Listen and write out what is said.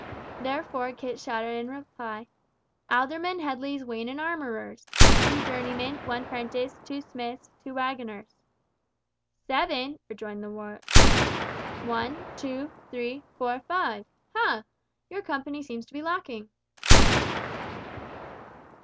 Therefore Kit shouted in reply, "Alderman Headley's wain and armourers. Two journeymen, one prentice, two smiths, two waggoners." "Seven!" rejoined the warder. "One—two—three—four—five. Ha! your company seems to be lacking."